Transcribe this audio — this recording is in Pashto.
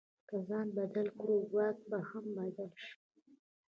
که ځان بدل کړو، واک به هم بدل شي.